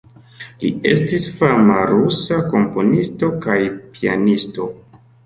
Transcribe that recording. Li estis fama rusa komponisto kaj pianisto.